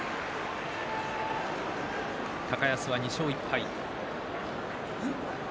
高安は２勝１敗。